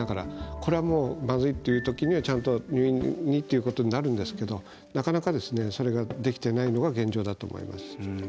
これはまずいというときにはちゃんと入院ということになるんですけどなかなか、それができていないのが現状だと思います。